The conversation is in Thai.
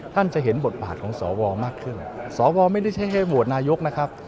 ท่านจะเห็นบทบาทของสวมากขึ้นสวไม่ได้ใช้แค่โหวตนายกนะครับ